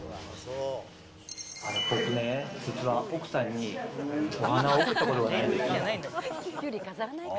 僕ね、実は奥さんにお花を贈ったことがないんですよ。